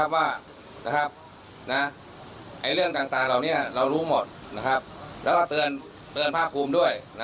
ว่าเรื่องต่างเรารู้หมดแล้วก็เตือนภาคกรุมด้วย